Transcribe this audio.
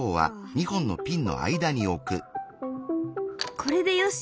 これでよし。